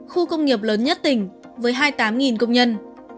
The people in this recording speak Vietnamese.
khu công nghiệp lớn nhất tỉnh với hai mươi tám công nhân